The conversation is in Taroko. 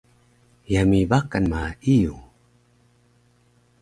yami Bakan ma Iyung